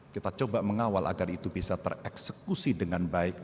kita coba mengawal agar itu bisa tereksekusi dengan baik